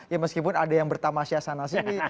ya meskipun ada yang bertama sia sana sini